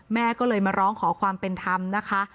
แม่ก็เลยมาร้องขอความเป็นธรรมนะคะ